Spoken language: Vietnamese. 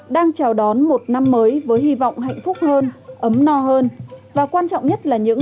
đang chào đón một năm mới với hy vọng hạnh phúc hơn ấm no hơn và quan trọng nhất là những